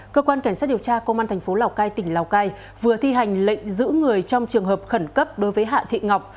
cơ quan cảnh sát điều tra công an thành phố lào cai tỉnh lào cai vừa thi hành lệnh giữ người trong trường hợp khẩn cấp đối với hạ thị ngọc